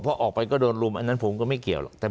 พอออกไปก็โดนรุมอันนั้นผมก็ไม่เกี่ยวหรอก